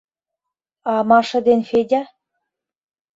А Маша ден Федя?